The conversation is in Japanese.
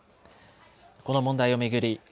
この問題を巡り